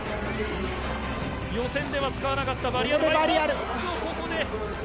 予選では使わなかったバリアル。